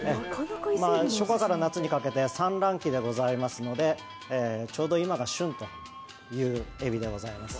初夏から夏にかけて産卵期でございますのでちょうど今が旬というエビでございます。